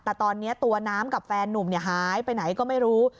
แต่ตอนนี้ตัวน้ำกับแฟนนุ่มหายไปไหนก็ไม่รู้